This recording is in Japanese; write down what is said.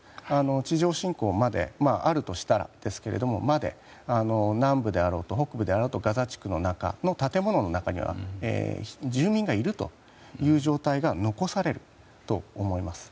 地上侵攻まであるとしたら南部であろうと北部であろうとガザ地区の中の建物の中には住民がいるという状態が残されると思います。